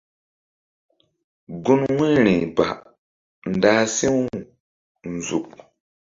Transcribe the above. Gun wu̧yri ba ndah si̧w nzuk.